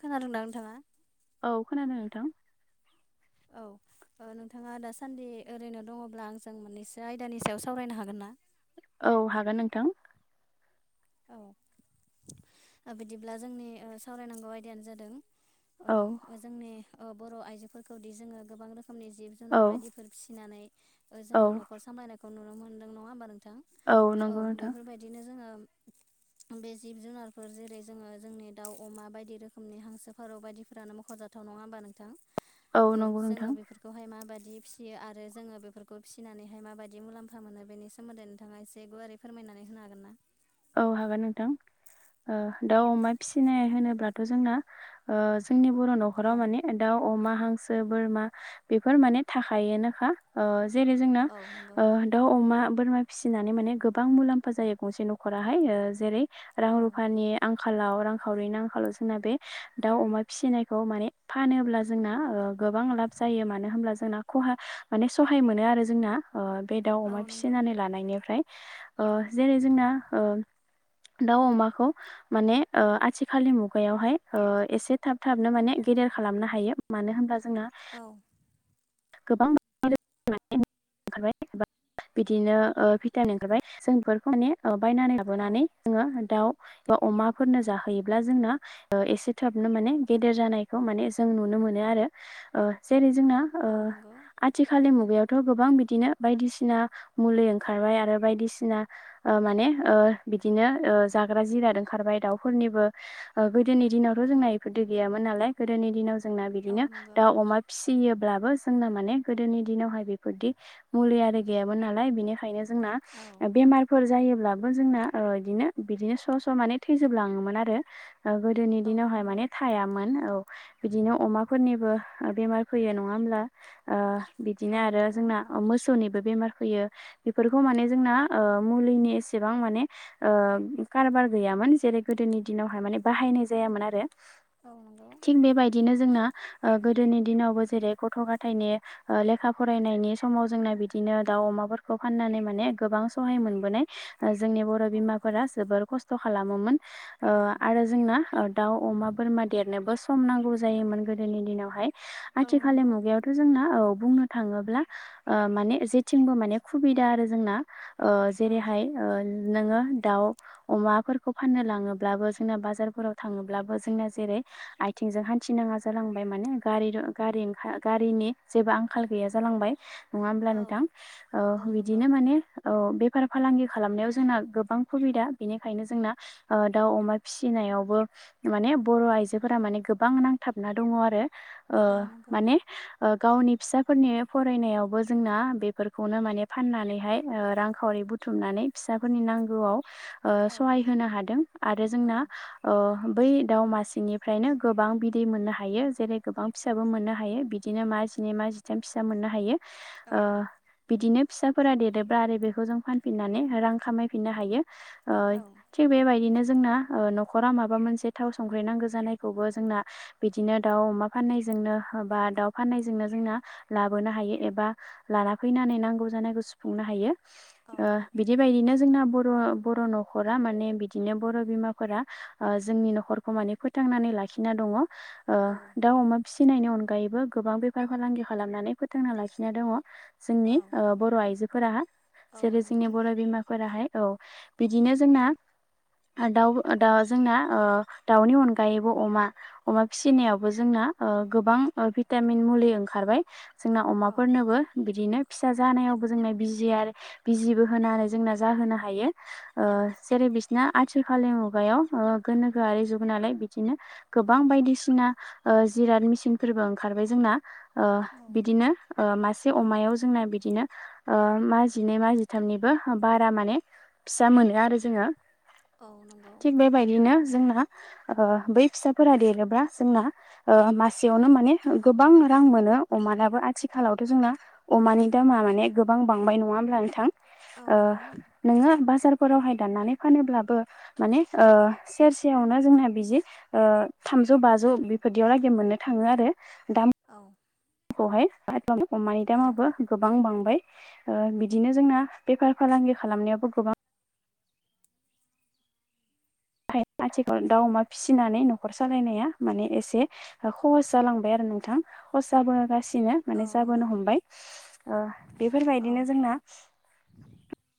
खोनादोंंदां नोंथाङा? औ खोनादों नोंथां। औ नोंथाङा दासान्दि ओरैनो दङब्ला आंजों मोननैसो आयदानि सायाव सावरायनो हागोन ना? औ हागोन नोंथां। औ बिदिब्ला जोंनि सावरायनांगौ आयदायानो जादों। औ जोंनि बर' आइजोफोरखौदि जोङो गोबां रोखो रोखोमनि जिब जुनार औ बायदिफोर फिसिनानै औ जोङो न'खर सामलायनायखौ नुनो मोन्दों नङा होमब थां औ नंगौ नोंथां बेफोरबायदिनो जोङो बे जिब जुनारफोर जेरै जोङो जोंनि दाउ अमा बायदि रोखोमनि हांसो फारौ बायदिफोरानो मख'जाथाव नङा होमबा नोंथां औ नंगौ नोंथां जोङो बेफोरखौहाय माबादि बि फिसियो आरो जोङो बेफोरखौ फिसिनानैहाय माबायदि मुलाम्फा मोनो बेनि सोमोन्दै नोंथाङा एसे गुवारै फोरमाय नानै होनो हागोन ना? औ हागोन नोंथां ओ दाउ अमा फिसिनाय होनोब्लाथ' जोंना ओ जोंनि बर' औ न'खराव माने दाउ अमा हांसो बोरमा बेफोर माने थाखायोनोखा जेरै जोंना औ नंगौ ओ दाउ अमा बोरमा फिसिनानै माने गोबां मुलाम्फा जायो गंसे न'खर फोराहाय जेरै रां औ रुफानि आं आंखालाव रांखावरिनि आंखालाव जोंना बे दाउ अमा फिसिनायखौ माने फानोब्ला जोंना ओ गोबां लाब जायो मानो होनब्ला जोंना खहा माने सहाय मोनो आरो जोंना ओ बे दाउ औ अमा नंगौ फिसिनानै लानायनिफ्राय ओ जेरै जोंना। ओ दाउ अमाखौ माने आथिखालनि मुगायावहाय ओ एसे थाब थाबनो औ माने गेदेर खालामनो हायो मानो होनब्ला जोंना औ गोबां [unintelligible] बिदिनो भिटामिन ओंखारबाय जों बेफोरखौ माने बायनानै औ लाबोनानै जोङो दाउ अमाफोरनो जाहोयोब्ला जोंना एसे थाबनो माने गेदेर जानायखौ माने जों नुनो मोन मोनो आरो ओ जेरै जोंना ओ औ नंगौ आथिखाल मु बेयावथ' गोबां बिदिनो बायदिसिना मुलि ओंखारबाय आरो बायदिसिना ओ माने ओ बिदिनो ओ जाग्रा जिराद ओंखारबाय दाउफोरनिबो गोदोनि दिनावथ' जोंना बेफोर गैया नालाय गोदोनि दिनाव जोंना औ बिदिनो नंगौ दाउ अमा फिसियोब्लाबो जोंना माने गोदोनि दिनावहाय बेफोरदि मुलि आरो गैयामोन नालाय बेनिखायनो जो जोंना औ बेमारफोर जायो अब्लाबो जोंना ओ इदिनो बिदिनो स' स' माने थैजोबलाङोमोन आरो ओ गोदोनि औ दिनावहाय नंगौ माने थायामोन औ बिदिनो अमाफोरनिबो बेमार फैयो नङा होमब्ला ओ बिदिनो औ आरो नंगौ जोंना मोसौनिबो बेमार फैयो बेफोरखौ माने जोंना ओ मुलिनि एसेबां माने ओ कारबार गैयामोन जेरै गोदोनि दिनावहाय माने बाहायनाय जायामोन आरो औ नंगौ थिग बेबायदिनो जोंना ओ गोदोनि दिनावबो जेरै गथ'-गा फाथायाइ लेखा फरायनायनि समाव जोंना बिदिनो दाउ अमाफोरखौ फाननानै माने गोबां सहाय मोनबोनाय जोंनि बर' औ बिमाफोरा जोबोर खस्थ' खालामोमोन ओ औ आरो जोंना दाउ अमा बोरमा देरनोबो सम नांगौ जोयोमोन गोदनि दिनावहाय औ आथिलनि नंगौ मुगायाव औ बुंनो थाङोब्ला माने जेथिंबो माने सुबिदा आरो जोंना औ जेरैहाय नोङो दाउ अमाफोरखौ फाननो लाङोब्लाबो जोंना बाजारफोराव थाङोब्लाबो जोंना जेरै आइथिंजों हान्थिनाङा जालांबाय माने गारि गारि ओं गारिनि जेबो आंखाल गैया जालांबाय। नङा होमब्ला औ नोंथां औ नंगौ बिदिनो माने ओ बे बेफार फालांगि खालामनायाव जोंना गोबां सुबिदा बेनिखायनो जोंना दाउ अमा फिसिनायावबो माने बर' आइजोफोरा माने गोबां नांथाबना दङ आरो औ नंगौ माने गावनि फिसाफोरनि फरायनायावबो जोंना बेफोरखौनो माने फाननानैहाय रांखावरि बुथुमनानै फिसाफोरनि नांगौआव औ सहाय होनो हादों आरो औ जोंना ओ बै दाव मासिनिफ्रायनो गोबां बिदै मोननो हायो जेरै गोबां फिसाबो मोननो हायो बिदि। बिदिनो मा जिनै मा जिथाम फिसा मोननो हायो औ बिदिनो। फिसाफोरा देरोब्ला आरो बेखौ जों फानफिननानै रां खामायफिननो हायो ओ औ थिग बेबायदिनो जों न'खर माबा मोनसे थाव संख्रि नांगौ जानायखौबो जों बिदिनो दाउ अमा फानायजों जोंनो बा दाउ फाननायजोंनो जोंना लाबोनो हायो एबा लाना फैनानै नांगौ जानायखौ सुफुंनो हायो ओ बिदि बायदिनो जोंना बर' न'खरा माने बिदिनो बर' बिमाफोरा जोंनि न'खरखौ माने फोथांनानै लाखिना दङ ओ औ दाउ अमा फिसिनायनि अनगायैबो गोबां बेफार फालांगि खालामनानै फोथांना लाखिनाय दङ। जोंनि औ ओ बर' आइजोफोरा औ जेरै जोंनि नंगौ बर' बिमाफोराहाय औ बिदिनो जोंना दाउ दाउआ जोंना ओ दाउनि अनगायैबो अमा अमा फिसिनायावबो जोंना गोबां भिटामिन मुलि ओंखारबाय जोंना औ अमाफोरनोबो बिदिनो फिसा जानायावबो जोंना बिजि आरो बिजिबो होनानै जोंना जाहोनो हायो। ओ औ जेरै बिसिना आ आथिखालनि मुगायाव गोनोआरि जुग नालाय बिदिनो गोबां बायदिसिना ओ बिराद मिसिन फोरबो ओंखारबाय जोंना ओ औ बिदिनो ओ से अमायाव जोंना बिदिनो ओ मा जिनै मा जिथामनिबो बारा माने फिसा मोनो आरो जोंङो औ नंगौ थिग बेबायदिनो जोंना ओ बै फिसाफोरा देरोब्ला जोंना ओ मासेयावनो माने गोबां रां मोनो अमानाबो आथिखालावथ' जोंना अमानि दामा माने गोबां बांबाय नङा होनबा अब्ला नोंथां औ ओ नंगौ नोंङो बाजार फोरावहाय दानानै फानोब्लाबो माने ओ सेरसेयावनो जोंना बिदि ओ था थामजौ बाजौ बेफोरदियाव लागै मोननो थाङो आरो दा औ बेवहाय मानोहोमबा अमानि औ दामाबो गोबां बांबाय ओ बिदिनो जोंना बेफार फालांगि खालामनायावबो गोबां ओमफाय आथिखाल दाउ अमा फिसिनानै न'खर सालायनाया माने एसे खहस जालांबाय आरो। नोंथां खरसाबो गासि नो औ माने जाबोनो नंगौ हमबाय औ बेफोरबायदिनो जोंना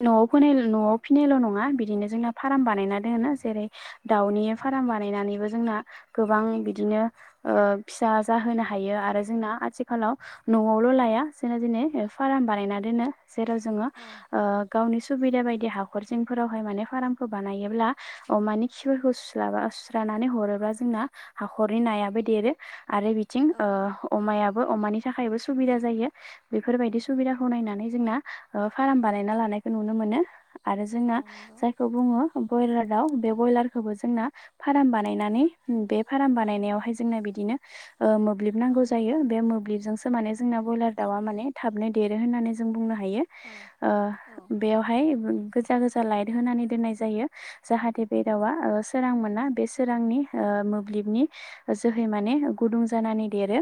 न'आव फिनायल- फिनायल' नङा बिदिनो जोंना फार्म बानायना दोनो जेरै दाउनि फार्म बानायनानैबो जोंना गोबां बिदिनो ओ फिसा जा होनो हायो आरो जोंना आथिखालाव न'आवल' लाया जोंना दिनै फाराम बानायना दोनो। जेराव जोंङो औ ओ गावनि सुबिदा बायदि हाखर जिंफोरावहाय माने फार्मखौ बानायोब्ला अमानि खिफोरखौ सुस्राबा सुस्रानानै हरोब्ला जोंना हाखरनि नायाबो देरो। आरो बिथिं औ अमाया अमानि थाखायबो सुबिदा जायो बेफोरबायदि सुबिदाखौ नायनानै जोंना फाराम बानायनाला नायखौ नुनो मोनो आरो जों औ नंगौ जायखौ बुङो बयलार बे बयलारखौबो जोंना फाराम बानायनानै बे फार्म औ बानायनायावहाय जोंनो बिदिनो ओ मोब्लिब औ नांगौ जायो बे मोब्लिबजों माने जोंना बयलार दाव माने थनो देरो होननानै जों बुंनो हा यो औ औ ओ बेयावहाय गोजा गोजा लाइट होनानै दोननाय जायो। जाहाथे बे दावा ओ सोरां मोना बे सोरांनि ओ मोब्लिबनि जोहै माने गुदुं जानानै देरो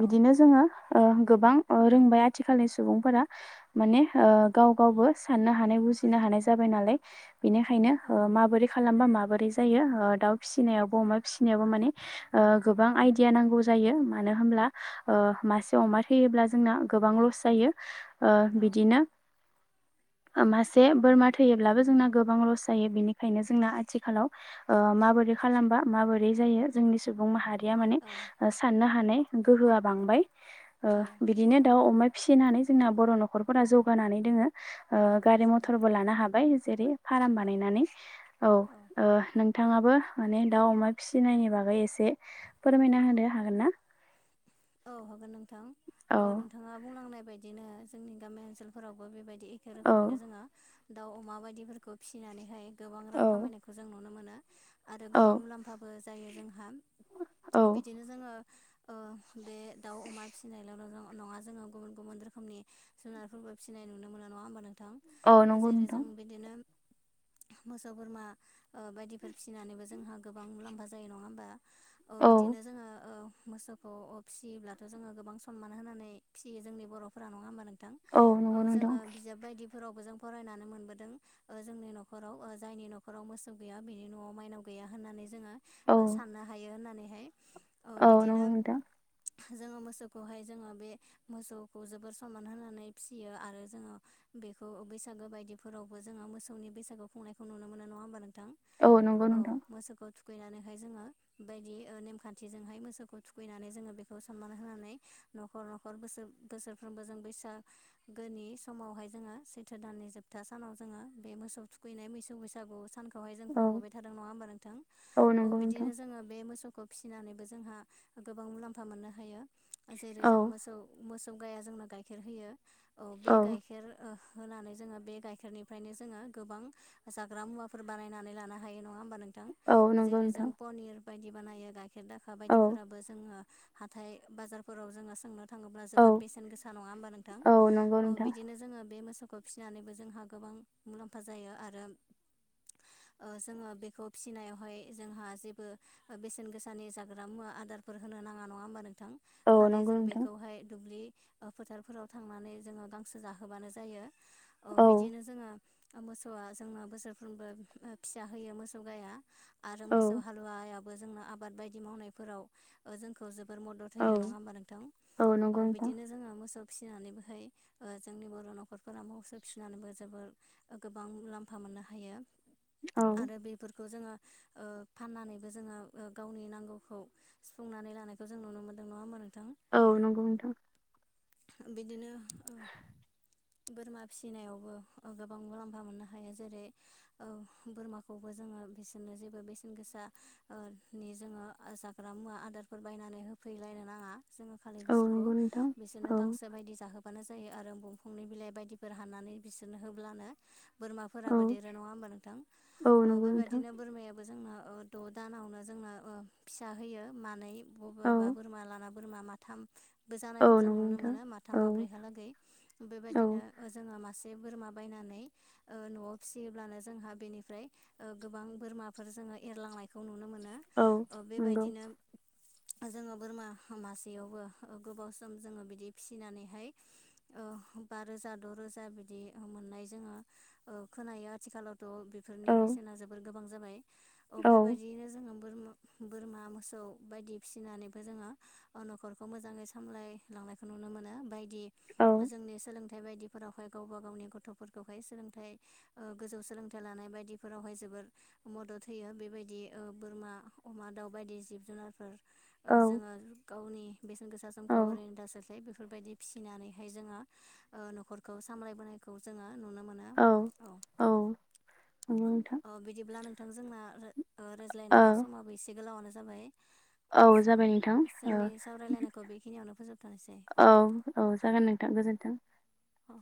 बिदिनो जोंङो ओ गोबां ओ रोंबाय आथिखालनि सुबुंफोरा माने ओ गाव गावबो साननो हानाय बुजिनो हानाय हानाय जाबाय नालाय बेनिखायनो। ओ माबोरै खालामबा माबोरै जायो ओ दाउ फिसिनायावबो अमा फिसिनायावबो माने ओ गोबां आइडिया नांगौ जायो मानो होनब्ला ओ मासे अमा थैयोब्ला जोंना गोबां लस जायो। ओ औ बिदिनो ओ मासे बोरमा थैयोब्लाबो जोंना गोबां लस जायो बेनिखायनो जोंना आथिखालाव ओ माबोरै खालामबा माबोरै जायो जोंनि सुबुं माहारि माने साननो हानाय गोहोआ बांबाय। ओ बिदिनो औ दाउ अमा फिसिनानै जोंना बर' न'खरफोरा जौगानानै दोङो। ओ औ गारि जौगोन मथरबो औ लानो हाबाय जेरै फाराम औ बानायनानै औ ओ नोंथाङाबो माने दाउ अमा फिसिनायनि बागै एसे फोरमायना होनो हागोन ना? औ हागोन नोंथां औ ओ नोंथाङा बुंलांनाय बायदिनो जोंनि गामि ओनसोलफोरावबो बेबायदि एखे औ रोखोमैनो जोंङो दाउ अमा बायदिफोरखौ फिसिनानैहाय गोबां रां औ खामायनायखौ जों नुनो मोनो। आरो गोबां औ मुलाम्फाबो जायो जोंहा औ बिदिनो जोंङो बे दाउ अमा फिसिनायल'' नङा जोंङो गुबुन गुबुन रोखोमनि जुनारफोरबो फिसिनाय नुनो मोनो नङा होमबा नों थां औ नंगौ जेरै नोंथां जों बिदिनो मोसौ बोरमा बायदिफोर फिसिनानैबो जोंहा गोबां मुलाम्फा जायो नङा होमबा। औ बिदिनो जोङो मोसौखौ फिसियोब्लाथ' जोङो सनमान होनानै फिसियो जोंनि बर'फोरा नङा होमबा नों औ नंगौ नोंथां जोङो बिजाब बायदि। फोरावबो जों फरायनानै मोनबोदों जोंनि नखराव जायनि न'खराव मोसौ गैया बिनि न'आव माइनाव गैया। जोङो औ साननो हायो होननानैहाय औ बिदिनो नंगौ नोंथां जोङो मोसौखौहाय जोङो बे मोसौखौ जोबोर सनमान होनानै फिसियो आरो जोङो। बेखौ बैसागो बायदिफोरावबो जोङो मोसौनि बैसागो खुंनायखौ नुनो मोनो नङा होनब्ला नंगौ औ नोंथां मोसौखौ थुखैनानैहाय जोङो बे बायदि नेमखान्थिजोंहाय मोसौखौ थुखैनानै जोङो बे सनमान होनानै न'खर न'खर बोसोरफ्रोमबो जों बैसागोनि समावहाय जोङो सैथो दाननि जोबथा सानाव जोङो बे मोसौ थुखैनाय मैसौ बैसागु सान खौहाय जों औ खुंबोबाय थादों नङा होनबा नोंथां औ नंगौ नोंथां बिदिनो जोङो बे मसौ फिसिनानैबो जोंहा गोबां मुलामफा मोननो हायो जेर औ जों मोसौ मोसौ। मोसौ गाया जोंनो गाइखेर होयो औ बे गाइखेर होनानै जोङो बे गाइखेरनिफ्रायनो जोङो गोबां जाग्रा मुवाफोर बानायनानै लानो हायो नङा होमबा नों थां औ नंगौ जेरै जों नोंथां पनिर बायदि बानायो गाइखेर दाखा औ बायदिफोराबो जोङो। हाथाय बाजारफोराव जोङो सोंनो थाङोब्ला औ जोबोर बेसेन गोसा नङा होमबा नोंथां औ नंगौ औ नोंथां बिदिनो जोङो बे मोसौ खौ फिसिनानैबो जोंहा गोबां मुलाम्फा जायो आरो। जोङो बेखौ फिसिनायावहाय जोंहा जेबो बेसेन गोसानि जाग्रा मुवा आदारफोर होनो नाङा। नङा होमबा नोंथां औ खालि नंगौ जों नोंथां बेखौहाय दुब्लि फोथारफोराव थांनानै जोङो गांसो जाहोबानो जायो औ बिदिनो जोङो मोसौआ जोंनो बोसोरफ्रोमबो फिसा होयो मोसौ गाया आरो औ मोसौ हालुवाया जोंनो आबाद बायदि मावनायाव जोंखौ मदद औ होयो नङा होमबा नोंथां औ नंगौ नोंथां बिदिनो जोङो मोसौ फिसिनानैबोहाय जोंनि बर' न'खरफोरा मोसौ फिसिनानैबो जोबोर गोबां मुलामफा मोनो। मोननो हायो औ आरो बेफोरखौ जोङो फाननानैबो जोङो गावनि नांगौखौ सुफुंनानै ला खौ जों नुनो मोनदों नङा होमबा नोंथां? औ नंगौ नोथां। बिदिनो बोरमा फिसिनायावबो गोबां मुलाम्फा मोननो हायो जेरै बोरमाखौबो जोङो बिसोरनो जेबो बेसेन गोसा नि जोङो जाग्रा मुवा आदार बायनानै होफैलायनो नाङा जोङो खालि औ बिसोरखौ नंगौ नोंथां बिसोरनो औ गांसो बायदि जाहो होबानो जायो आरो दंफांनि बिलाइ बायदिफोर हानानै बिसोरनो होब्लानो औ बोरमाफोराबो देरो। नङा होमबा नोंथां? औ ओ नंगौ नोंथां बेबायादिनो बोरमायाबो जोंना द' दानावनो जोंनो फिसा होयो मानै औ बबेबा बोरमा लाना बोरमा माथाम बो औ जानायखौ जों नंगौ नुनो नोंथां मोनो माथाम औ माब्रैहालागै। औ बेबायदिनो जोङो मा से बोरमा बायनानै न'आव फिसियोब्लानो जोंहा बेनिफ्राय गोबां बोरमाफोर जों एरलांनायखौ नुनो मोनो। औ नंगौ। बेबायदिनो जोङो बोरमा मासेयावबो गोबाव सम जोङो बिदि फिसिनानैहाय बा रोजा द' रोजा बिदि मोननाय जोङो खोनायो आथिखालाव थ' बेफोरनि औ बेसेना जोबोर गोबां जाबाय अ औ बेबायदियैनो जोङो बोरा-बोरमा, मोसौ बायदि। फिसिनानैबो जोङो नखरखौ मोजाङै सामलायलांनायखौ नुनो मोनो बाय औ जोंनि सोलोंथाइ [unintelligible] बायदिफोरावहाय गावबा गावनि गथ'फोरखौहाय सोलोंथाइ गोजौ सोलोंथाइ लानाय बायदिफोरावहाय जो जोबोर मदद होयो बेबायदि बोरमा अमा दाउ बायदि जिब जुनारफोर औ जोङो गावनि बेसेन गोसा समखौ ओरैनो दा [unintelligible] बेफोरबायदि फिसिनानैहाय जोङो न'खरखौ सामलायबोनायखौ जोङो नुनो मोनो औ औ नोंथां अ बिदिब्ला नोंथां जोंना औ रायज्लायनाया समाबो एसे गोलावानो जाबाय औ जाबाय नोंथां जोंनि सावरायलायनायखौ बेखिनियावनो फोजोबथ'नोसै औ गोजोन्थों औ जागोन नोंथां गोजो नोंथां औ